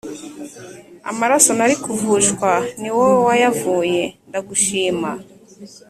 Amaraso nari kuvushwa niwowe wayavuye ndagushima